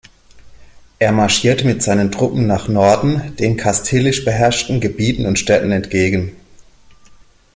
Er marschierte mit seinen Truppen nach Norden, den kastilisch beherrschten Gebieten und Städten entgegen.